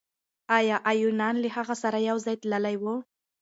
آیا ایوانان له هغه سره یو ځای تللي وو؟